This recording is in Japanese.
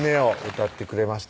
歌ってくれました